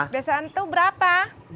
biasa itu berapa